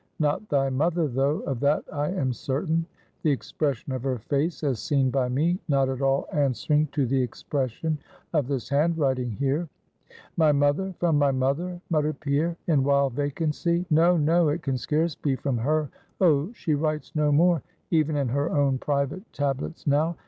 not thy mother though, of that I am certain; the expression of her face, as seen by me, not at all answering to the expression of this handwriting here." "My mother? from my mother?" muttered Pierre, in wild vacancy "no! no! it can scarce be from her. Oh, she writes no more, even in her own private tablets now!